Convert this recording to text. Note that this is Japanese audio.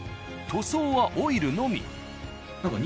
塗装はオイルのみ。